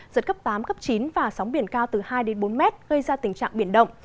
giật cấp tám chín và sóng biển cao từ hai bốn mét gây ra tình trạng biển động